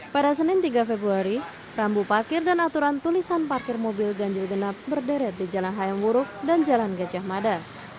pada senin tiga februari rambu parkir dan aturan tulisan parkir mobil ganjil genap berderet di jalan hayam wuruk dan jalan gajah mada